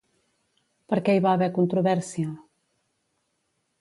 Per què hi va haver controvèrsia?